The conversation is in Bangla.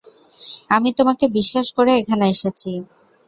আমি তোমাকে বিশ্বাস করে এখানে এসেছি।